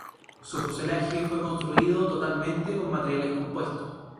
Su fuselaje fue construido totalmente con materiales compuestos.